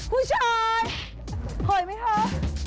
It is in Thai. ผู้ชายหอยไหมคะ